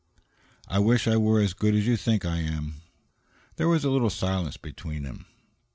"I wish I were as good as you think I am." There was a little silence between them.